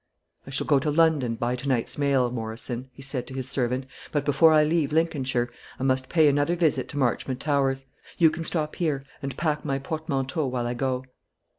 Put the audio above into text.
"I shall go to London by to night's mail, Morrison," he said to his servant; "but before I leave Lincolnshire, I must pay another visit to Marchmont Towers. You can stop here, and pack my portmanteau while I go."